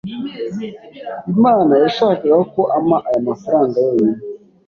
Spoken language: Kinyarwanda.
Imana yashakaga ko ampa aya mafaranga yonyine